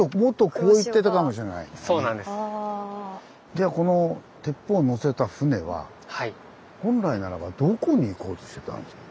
でこの鉄砲をのせた船は本来ならばどこに行こうとしてたんですか？